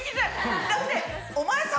だってお前さん